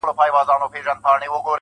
بيا هم وچكالۍ كي له اوبو سره راوتـي يـو,